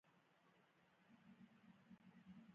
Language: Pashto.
ما پنیر، بدخونده قهوه او ګراپا څښلي وو.